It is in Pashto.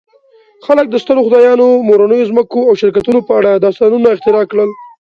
خلک د سترو خدایانو، مورنیو ځمکو او شرکتونو په اړه داستانونه اختراع کړل.